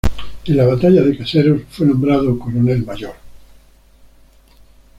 En la batalla de Caseros fue nombrado coronel mayor.